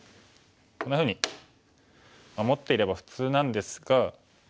こんなふうに守っていれば普通なんですが。